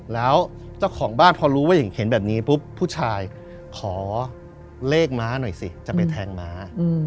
แล้วเจ้าของบ้านพอรู้ว่าเห็นแบบนี้ปุ๊บผู้ชายขอเลขม้าหน่อยสิจะไปแทงม้า